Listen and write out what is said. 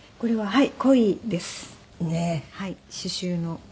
はい。